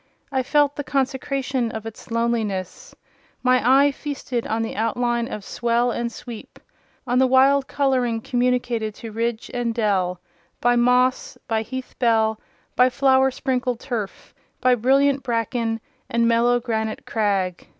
I felt the consecration of its loneliness: my eye feasted on the outline of swell and sweep—on the wild colouring communicated to ridge and dell by moss, by heath bell, by flower sprinkled turf, by brilliant bracken, and mellow granite crag.